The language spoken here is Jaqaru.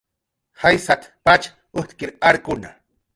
"Jaysat"" pach ujtkir arkuna"